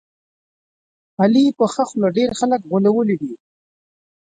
علي په ښه خوله ډېر خلک غولولي دي.